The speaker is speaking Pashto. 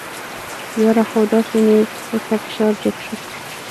یاره خو داسې مې ورته فشار جګ شو.